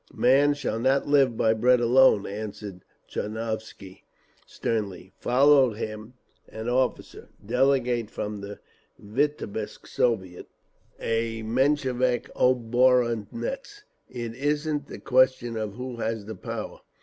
"Man shall not live by bread alone," answered Tchudnovsky, sternly…. Followed him an officer, delegate from the Vitebsk Soviet, a Menshevik oboronetz. "It isn't the question of who has the power.